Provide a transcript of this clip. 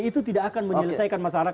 itu tidak akan menyelesaikan masalah